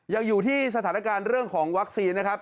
ยังอยู่ที่สถานการณ์เรื่องของวัคซีนนะครับ